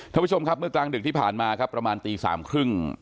ท่านผู้ชมครับเมื่อกลางดึกที่ผ่านมาครับประมาณตีสามครึ่ง